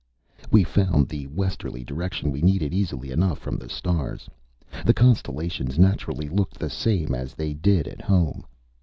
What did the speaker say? We found the westerly direction we needed easily enough from the stars. The constellations naturally looked the same as they did at home.